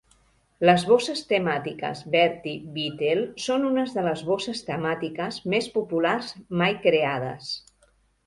Les bosses temàtiques "Bertie Beetle" són unes de les bosses temàtiques més populars mai creades.